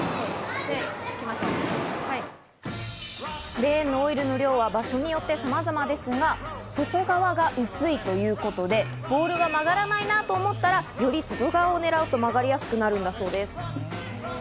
レーンのオイルの量は場所によって様々ですが、外側が薄いということで、ボールが曲がらないなと思ったら、より外側を狙うと曲がりやすくなるんだそうです。